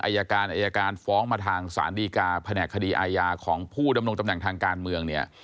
อายการอายการฟ้องมาทางศาลดีกาแผนกคดีอาญาของผู้ดำรงตำแหน่งทางการเมืองเนี่ย